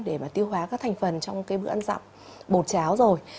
để mà tiêu hóa các thành phần trong cái bữa ăn dặm bột cháo rồi